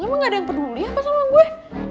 emang gak ada yang peduli apa sama gue